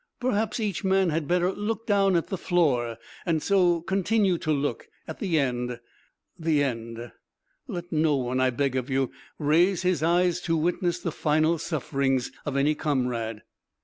Perhaps each man had better look down at the floor, and so continue to look. At the end the end! let no one, I beg of you, raise his eyes to witness the final sufferings of any comrade."